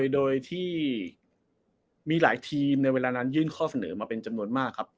โดยที่มีหลายทีมในเวลานั้นยื่นข้อเสนอมาเป็นจำนวนมากครับ